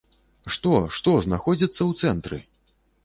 Што, што знаходзіцца ў цэнтры?